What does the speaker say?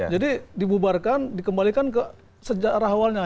jadi dibubarkan dikembalikan ke sejarah awalnya